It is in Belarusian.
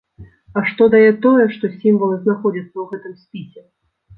А што дае тое, што сімвалы знаходзяцца ў гэтым спісе?